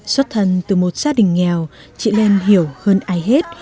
xuất thân từ một gia đình nghèo chị lên hiểu hơn ai hết